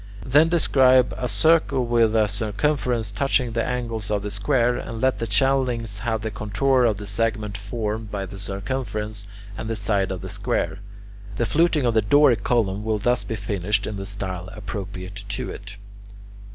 Then describe a circle with a circumference touching the angles of the square, and let the channellings have the contour of the segment formed by the circumference and the side of the square. The fluting of the Doric column will thus be finished in the style appropriate to it.